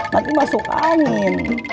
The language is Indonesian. nanti masuk angin